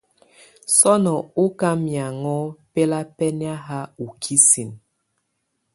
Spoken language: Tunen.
Sɔnɔ́ ɔká mɛaŋɔ́ bɛlabɛ́nɛ́ ha u kisín.